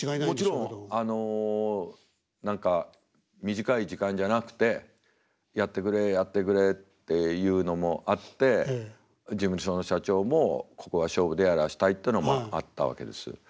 もちろん何か短い時間じゃなくて「やってくれやってくれ」っていうのもあって事務所の社長もここは勝負でやらせたいっていうのもあったわけです。